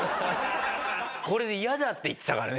これで「嫌だ」って言ってたからね。